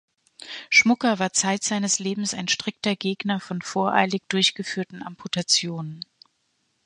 Schmucker war zeit seines Lebens ein strikter Gegner von voreilig durchgeführten Amputationen.